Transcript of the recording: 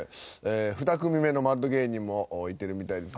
２組目のマッド芸人もいてるみたいです